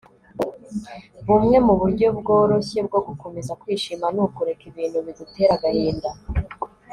bumwe mu buryo bworoshye bwo gukomeza kwishima ni ukureka ibintu bigutera agahinda